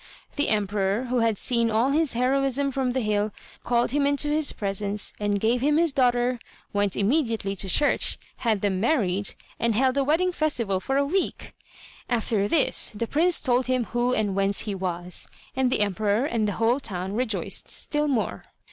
The emperor, who had seen all his heroism from the hill, called him into his presence, and gave him his daughter, went immediately to church, had them married, and held a wedding festival for a week. After this the prince told him who and whence he was, and the emperor and the whole town rejoiced still more.